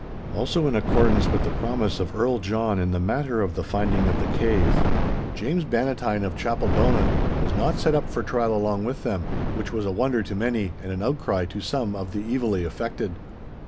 Also in accordance with the promise of Earl John in the matter of the finding of the cave, James Bannatyne of Chapeldonnan was not set up for trial along with them, which was a wonder to many and an outcry to some of the evilly affected.